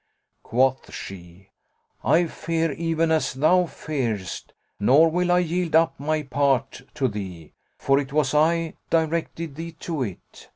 Quoth she, "I fear even as thou fearest, nor will I yield up my part to thee; for it was I directed thee to it."